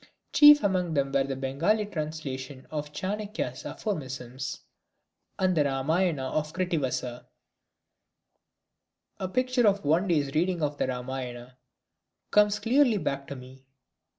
Chief among these were a Bengali translation of Chanakya's aphorisms, and the Ramayana of Krittivasa. A picture of one day's reading of the Ramayana comes clearly back to me.